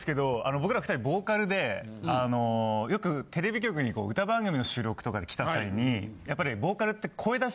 僕ら２人ボーカルであのよくテレビ局に歌番組の収録とかで来た際にやっぱり。